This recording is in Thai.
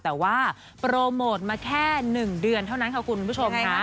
แต่ว่าโปรโมทมาแค่๑เดือนเท่านั้นค่ะคุณผู้ชมค่ะ